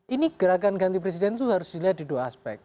ini gerakan ganti presiden itu harus dilihat di dua aspek